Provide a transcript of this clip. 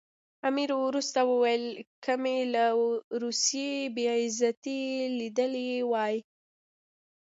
امیر وروسته وویل که مې له روسیې بې عزتي لیدلې وای.